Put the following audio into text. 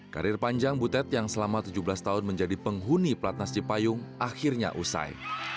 karir panjang butet yang selama tujuh belas tahun menjadi penghuni platnas cipayung akhirnya usai